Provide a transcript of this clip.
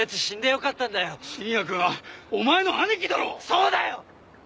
そうだよ！